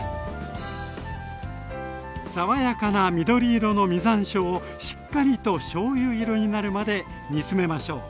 爽やかな緑色の実山椒をしっかりとしょうゆ色になるまで煮詰めましょう。